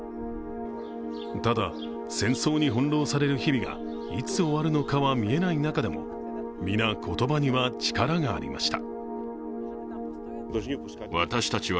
ただ、戦争に翻弄される日々がいつ終わるのかは見えない中でも皆、言葉には力がありました。